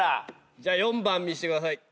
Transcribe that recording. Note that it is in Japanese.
じゃあ４番見してください。